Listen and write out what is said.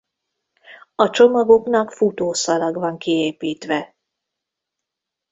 A csomagoknak futószalag van kiépítve.